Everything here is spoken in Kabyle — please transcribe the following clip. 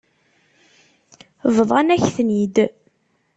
Bḍan-ak-ten-id.